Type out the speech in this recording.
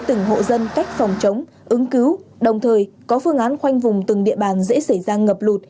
từng hộ dân cách phòng chống ứng cứu đồng thời có phương án khoanh vùng từng địa bàn dễ xảy ra ngập lụt